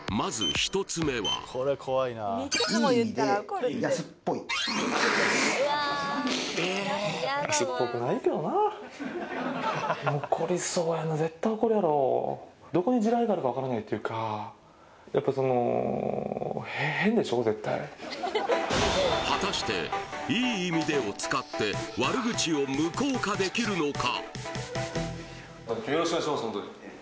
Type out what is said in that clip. １つ目はクーッ果たして「いい意味で」を使って悪口を無効化できるのか？